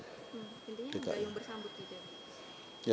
pintinya enggak yang bersambut tidak